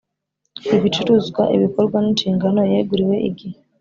Ibicuruzwa ibikorwa n inshingano yeguriwe igihe